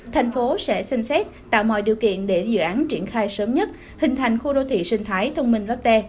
thành phố sẽ xem xét tạo mọi điều kiện để dự án triển khai sớm nhất hình thành khu đô thị sinh thái thông minh lotte